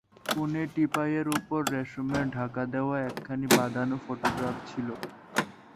কোণে টিপাইয়ের উপর রেশমের-ঢাকা-দেওয়া একখানি বাঁধানো ফোটোগ্রাফ ছিল।